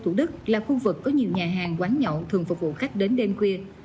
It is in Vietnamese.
thủ đức là khu vực có nhiều nhà hàng quán nhậu thường phục vụ khách đến đêm khuya